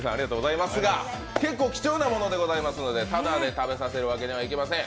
結構貴重なものでございますのでタダで食べさせるわけにはいきません。